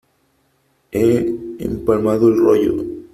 he empalmado el rollo .